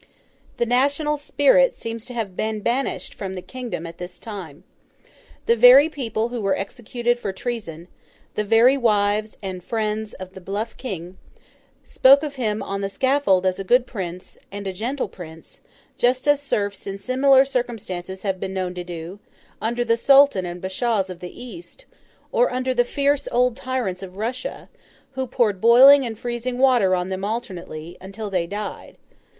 The national spirit seems to have been banished from the kingdom at this time. The very people who were executed for treason, the very wives and friends of the 'bluff' King, spoke of him on the scaffold as a good prince, and a gentle prince—just as serfs in similar circumstances have been known to do, under the Sultan and Bashaws of the East, or under the fierce old tyrants of Russia, who poured boiling and freezing water on them alternately, until they died.